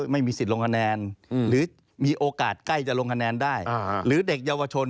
ไม่มีสิทธิ์ลงคะแนนหรือมีโอกาสใกล้จะลงคะแนนได้หรือเด็กเยาวชน